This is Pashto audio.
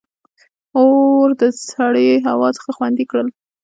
• اور د سړې هوا څخه خوندي کړل.